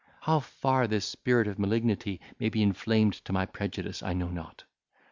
How far this spirit of malignity may be inflamed to my prejudice, I know not.